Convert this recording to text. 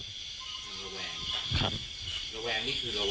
ระแวงนี่คือระแวง